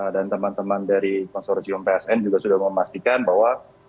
dan teman teman dari konsorasi omsn juga sudah memastikan bahwa